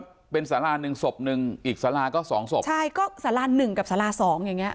ก็เป็นสาราหนึ่งศพหนึ่งอีกสาราก็สองศพใช่ก็สาราหนึ่งกับสาราสองอย่างเงี้